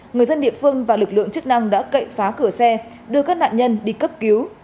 người dân địa phương và lực lượng chức năng đã cậy phá cửa xe đưa các nạn nhân đi cấp cứu